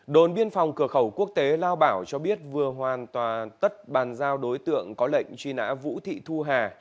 đồn biên phòng cửa khẩu quốc tế lao bảo cho biết vừa hoàn toàn tất bàn giao đối tượng có lệnh truy nã vũ thị thu hà